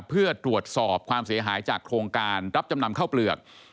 เพื่อตรวจสอบความเสียหายจากโครงการรับจำนำข้าวเปลือก